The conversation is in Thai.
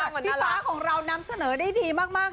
พี่ฟ้าของเรานำเสนอได้ดีมาก